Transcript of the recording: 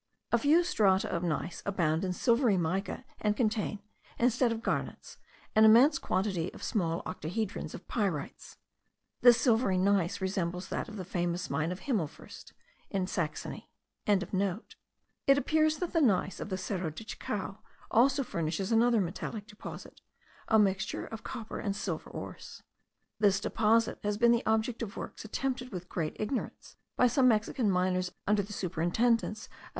A few strata of gneiss abound in silvery mica, and contain, instead of garnets, an immense quantity of small octohedrons of pyrites. This silvery gneiss resembles that of the famous mine of Himmelsfurst, in Saxony.) It appears that the gneiss of the Cerro de Chacao also furnishes another metallic deposit, a mixture of copper and silver ores. This deposit has been the object of works attempted with great ignorance by some Mexican miners under the superintendance of M.